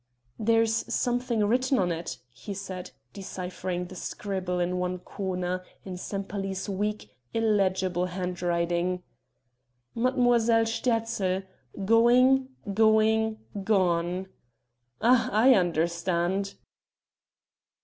"There is something written on it!" he said, deciphering the scribble in one corner, in Sempaly's weak, illegible hand writing: "Mademoiselle Sterzl, going going gone !... Ah! I understand!"